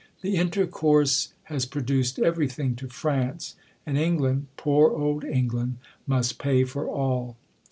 The intercourse has produced eyery tiling to France ; and England, poor old England must pay for all.